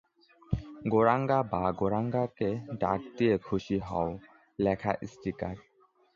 গোরাঙ্গা' বা 'গোরাঙ্গাকে ডাক দিয়ে খুশি হও' লেখা স্টিকার।